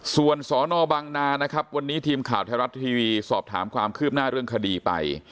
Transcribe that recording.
ส่วนสนบังนานะครับวันนี้ทีมข่าวไทยรัฐทีวีสอบถามความคืบหน้าเรื่องคดีไป